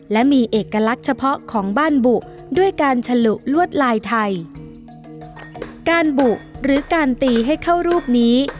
และมีเอกลักษณ์เฉพาะของบ้านบุด้วยการฉลุลวดลายไทยการบุหรือการตีให้เข้ารูปนี้